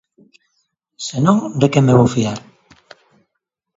Se non, de quen me vou fiar?